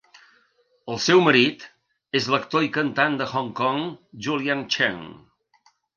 El seu marit és l'actor i cantant de Hong Kong Julian Cheung.